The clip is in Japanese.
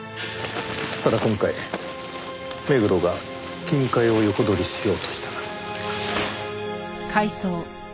ただ今回目黒が金塊を横取りしようとした。